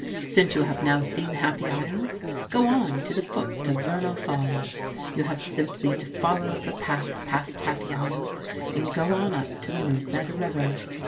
Since you have now seen Happy Isles, go on to the foot of Vernal Falls. You have simply to follow the path past Happy Isles, and go on up the Merced River.